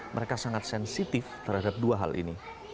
mereka sangat sensitif terhadap dua hal ini